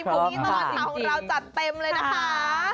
วันนี้ตลาดของเราจัดเต็มเลยนะคะ